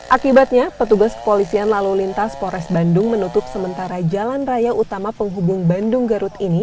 akibatnya petugas kepolisian lalu lintas pores bandung menutup sementara jalan raya utama penghubung bandung garut ini